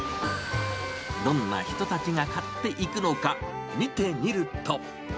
どんな人たちが買っていくのか、見てみると。